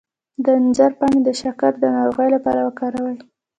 د انځر پاڼې د شکر د ناروغۍ لپاره وکاروئ